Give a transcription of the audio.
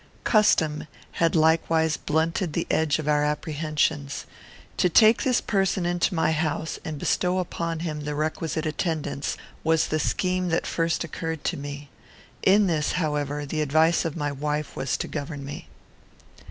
Custom had likewise blunted the edge of our apprehensions. To take this person into my house, and bestow upon him the requisite attendance, was the scheme that first occurred to me. In this, however, the advice of my wife was to govern me.